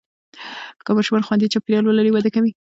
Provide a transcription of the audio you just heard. که ماشومان خوندي چاپېریال ولري، وده کوي.